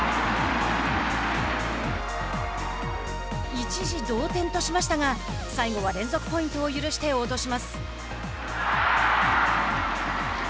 一時同点としましたが最後は連続ポイントを許して落とします。